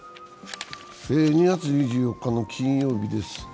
２月２４日の金曜日です。